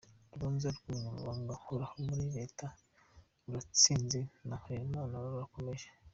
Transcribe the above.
Urubanza rw’Umunyamabanga uhoraho muri Reta Turatsinze na Harerimana rurakomeje